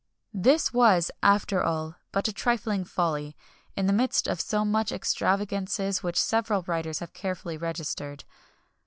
[XXI 17] This was, after all, but a trifling folly, in the midst of so many extravagances which several writers have carefully registered.